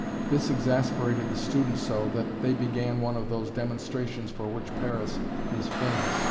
This exasperated the students so that they began one of those demonstrations for which Paris is famous.